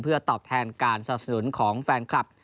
เพื่อตอบแทนการสนับสนุนของแฟนคลับ